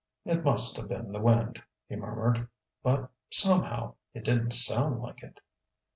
"It must have been the wind," he murmured. "But, somehow, it didn't sound like it."